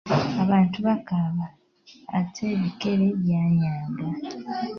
Abantu bakaaba, ate ebikere byanyaaga.